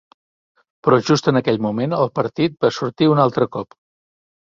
Però just en aquell moment el partit va sortir un altre cop.